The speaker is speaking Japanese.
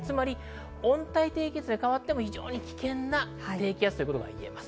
温帯低気圧に変わっても非常に危険な低気圧ということが言えます。